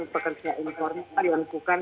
pekerja informal yang bukan